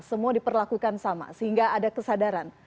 semua diperlakukan sama sehingga ada kesadaran